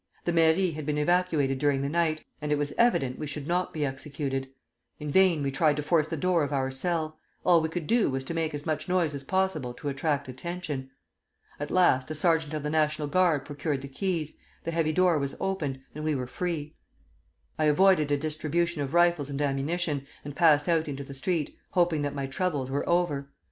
The mairie had been evacuated during the night, and it was evident we should not be executed. In vain we tried to force the door of our cell; all we could do was to make as much noise as possible to attract attention. At last a sergeant of the National Guard procured the keys, the heavy door was opened, and we were free. I avoided a distribution of rifles and ammunition, and passed out into the street, hoping that my troubles were over.